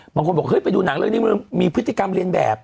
บางคนบอกเฮ้ยไปดูหนังเรื่องนี้มันมีพฤติกรรมเรียนแบบ